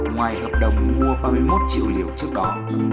ngoài hợp đồng mua ba mươi một triệu liều trước đó